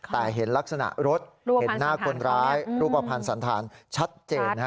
แต่เห็นลักษณะรถรูปวาพันธ์สันธารของมันรูปวาพันธ์สันธารชัดเจนค่ะ